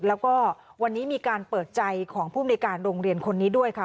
แล้วก็วันนี้มีการเปิดใจของผู้มนุยการโรงเรียนคนนี้ด้วยค่ะ